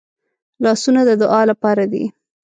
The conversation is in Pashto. لاسونه د دعا لپاره دي